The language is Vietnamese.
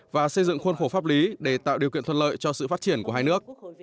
và xây dựng khuôn khổ pháp lý để tạo điều kiện thuận lợi cho sự phát triển của hai nước